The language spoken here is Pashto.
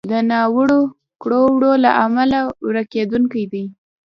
د ناوړو کړو وړو له امله ورکېدونکی دی.